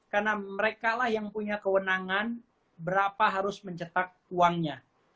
karena mereka lah yang punya kewenangan berapa harus mencetak uangnya